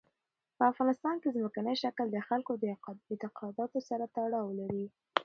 په افغانستان کې ځمکنی شکل د خلکو د اعتقاداتو سره تړاو لري.